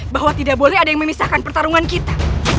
bahwa tidak boleh ada yang memisahkan pertarungan kita